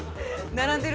並んでる。